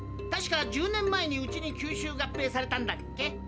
確か１０年前にうちに吸収合併されたんだっけ。